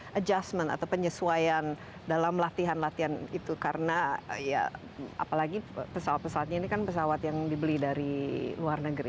ada adjustment atau penyesuaian dalam latihan latihan itu karena ya apalagi pesawat pesawatnya ini kan pesawat yang dibeli dari luar negeri